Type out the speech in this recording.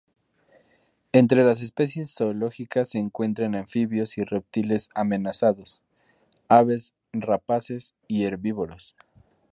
Entre las especies zoológicas se encuentran anfibios y reptiles amenazados, aves rapaces y herbívoros.